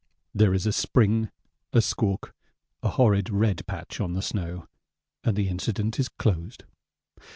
There is a spring, a squawk, a horrid red patch on the snow, and the incident is closed.